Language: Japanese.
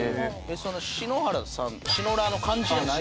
その篠原さんシノラーの感じじゃないんだ。